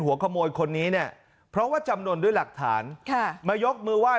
หัวขโมยคนนี้เนี่ยเพราะว่าจำนวนด้วยหลักฐานค่ะมายกมือไห้